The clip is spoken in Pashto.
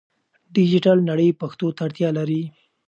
ډیجیټل نړۍ پښتو ته اړتیا لري.